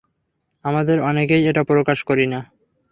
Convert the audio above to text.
আমাদের অনেকেই এটা প্রকাশ করি না।